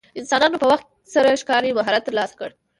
انسانانو په وخت سره ښکار کې مهارت ترلاسه کړ.